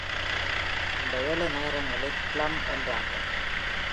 அந்த ஏழு நகரங்களில் பிளம் ஒன்றாகும்.